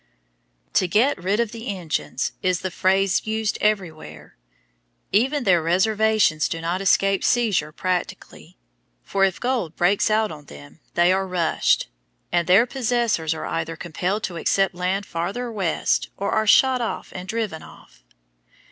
"To get rid of the Injuns" is the phrase used everywhere. Even their "reservations" do not escape seizure practically; for if gold "breaks out" on them they are "rushed," and their possessors are either compelled to accept land farther west or are shot off and driven off.